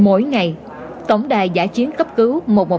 mỗi ngày tổng đài giả chiến cấp cứu một trăm một mươi một